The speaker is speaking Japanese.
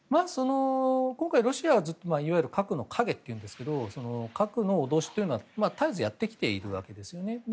今回、ロシアは核の影というんですけど格の脅しというのは絶えずやってきているわけです。